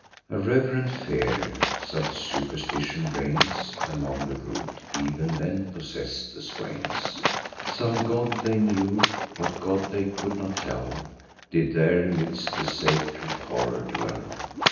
A reverent fear (such superstition reigns Among the rude) ev'n then possess'd the swains. Some god, they knew—what god, they could not tell— Did there amidst the sacred horror dwell.